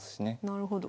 なるほど。